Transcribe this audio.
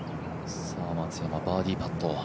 松山、バーディーパット。